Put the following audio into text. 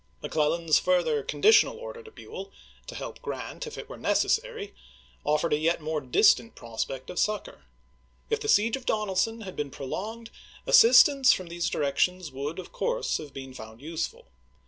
McClellan's further con ditional order to Buell, to help Grrant if it were necessary, offered a yet more distant prospect of succor. If the siege of Donelson had been pro longed, assistance from these directions would, of course, have been found useful.